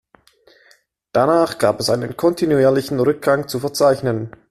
Danach gab es einen kontinuierlichen Rückgang zu verzeichnen.